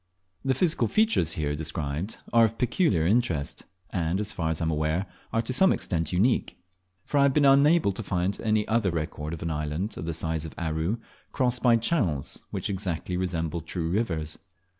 The physical features here described are of peculiar interest, and, as far as I am aware, are to some extent unique; for I have been unable to find any other record of an island of the size of Aru crossed by channels which exactly resemble true rivers.